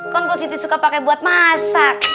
kan positif suka pakai buat masak